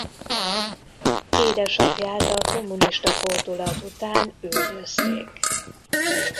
Édesapját a kommunista fordulat után üldözték.